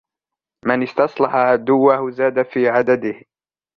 مَنْ اسْتَصْلَحَ عَدُوَّهُ زَادَ فِي عَدَدِهِ